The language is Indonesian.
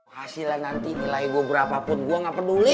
hasilnya nanti nilai gue berapapun gue gak peduli